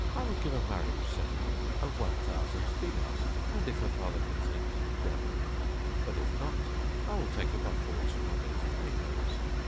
I will give a marriage settlement of one thousand dinars; and, if her father consent, well: but if not I will take her by force from under his very nose.